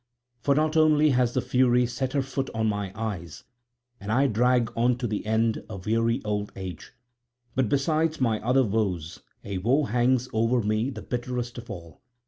For not only has the Fury set her foot on my eyes and I drag on to the end a weary old age; but besides my other woes a woe hangs over me the bitterest of all.